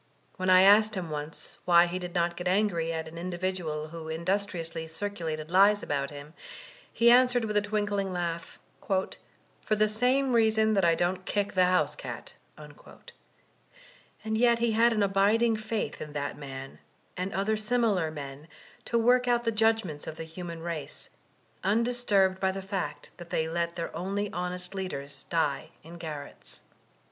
When I asked him once why he did not get angry at an individual who industriously circulated lies about him, he answered with a twinkling laugh, 'Tor the same reason that I don't kick the house cat" And yet he had an abiding faith in that man, and other similar men, to work out the judgments of the human race, undisturbed by the fact that they let their only honest leaders die in garrets.